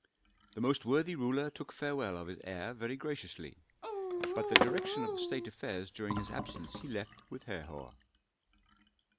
The most worthy ruler took farewell of his heir very graciously; but the direction of state affairs during his absence he left with Herhor.